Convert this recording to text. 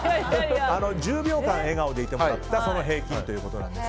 １０秒間笑顔でいてもらった平均ということで。